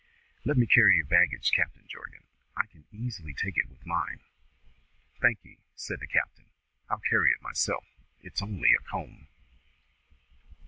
"Let me carry your baggage, Captain Jorgan; I can easily take it with mine." "Thank'ee," said the captain. "I'll carry it myself. It's only a comb."